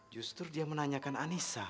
justru dia menanyakan anissa